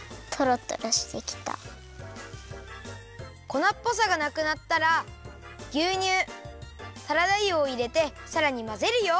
こなっぽさがなくなったらぎゅうにゅうサラダ油をいれてさらにまぜるよ！